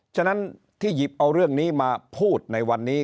ฉะนั้นที่หยิบเอาเรื่องนี้มาพูดในวันนี้